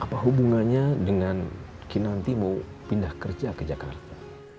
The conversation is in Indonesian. apa hubungannya dengan kinanti mau pindah kerja ke jakarta